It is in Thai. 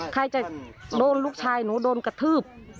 ใครจะโดนลูกชายหนูโดนกระทืบ